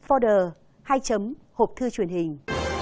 order hai hộp thư truyền hình